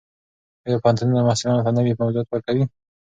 ایا پوهنتونونه محصلانو ته نوي موضوعات ورکوي؟